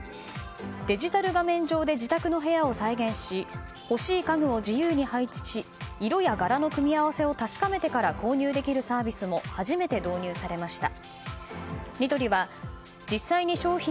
デジタル画面上で自宅の部屋を再現しほしい家具を自由に配置し色や柄の組み合わせを確かめてから購入できるサービスも初めて導入されました。